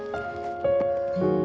aku akan menjaga dia